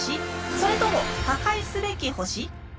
それとも破壊すべき星？